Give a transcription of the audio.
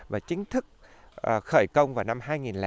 và chính thức khởi công vào năm hai nghìn một mươi năm